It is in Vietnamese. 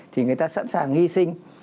thì người ta sẵn sàng hy sinh